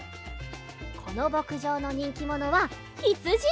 このぼくじょうのにんきものはひつじ！